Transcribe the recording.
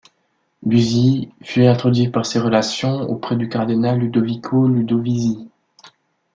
Buzzi fut introduit par ses relations auprès du cardinal Ludovico Ludovisi.